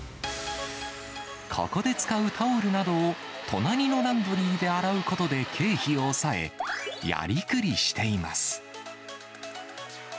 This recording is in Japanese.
ここで使うタオルなどを、隣のランドリーで洗うことで経費を抑え、やりくりしています。